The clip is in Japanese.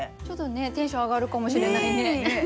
ちょっとねテンション上がるかもしれないね。